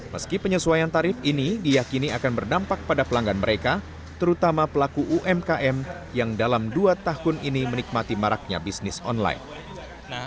meski penyesuaian tarif ini diyakini akan berdampak pada pelanggan mereka terutama pelaku umkm yang dalam dua tahun ini menikmati maraknya bisnis online